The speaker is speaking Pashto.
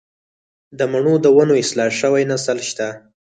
د مڼو د ونو اصلاح شوی نسل شته